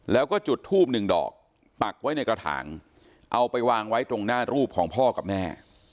แล้วก็จุดทูบหนึ่งดอกปักไว้ในกระถางเอาไปวางไว้ตรงหน้ารูปของพ่อกับแม่